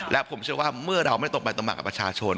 และผมเชื่อว่าเมื่อเราไม่ตกใบตำหนักกับประชาชน